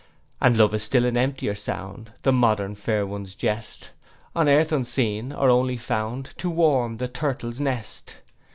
'And love is still an emptier sound, The modern fair one's jest: On earth unseen, or only found To warm the turtle's nest.